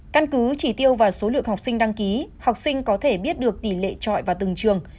căn cứ chỉ tiêu và số lượng học sinh đăng ký học sinh có thể biết được tỷ lệ trọi vào từng trường